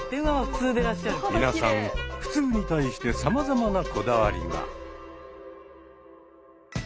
皆さん普通に対してさまざまなこだわりが。